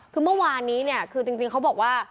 คือเมื่อวานนี้เนี่ยคือจริงเขาบอกว่า